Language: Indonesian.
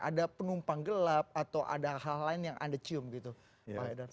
ada penumpang gelap atau ada hal lain yang anda cium gitu pak haidar